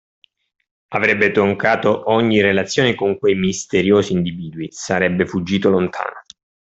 avrebbe troncato ogni relazione con quei misteriosi individui, sarebbe fuggito lontano.